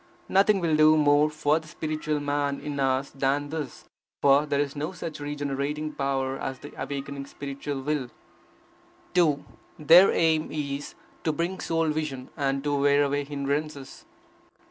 Nothing will do more for the spiritual man in us than this, for there is no such regenerating power as the awakening spiritual will. 2. Their aim is, to bring soul vision, and to wear away hindrances.